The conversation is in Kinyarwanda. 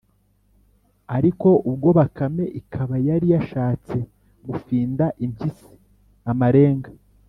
ariko ubwo bakame ikaba yari yashatse gufinda impyisi amarenga.